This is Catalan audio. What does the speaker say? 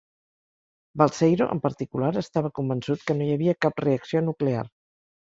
Balseiro, en particular, estava convençut que no hi havia cap reacció nuclear.